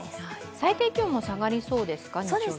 最低気温も下がりそうですか？